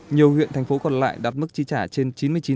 nhiều huyện thành phố còn lại đạt mức chi trả trên chín mươi chín